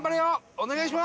お願いします！